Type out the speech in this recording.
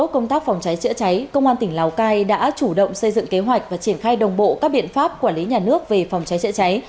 công tác phòng cháy chữa cháy công an tỉnh lào cai đã chủ động xây dựng kế hoạch và triển khai đồng bộ các biện pháp quản lý nhà nước về phòng cháy chữa cháy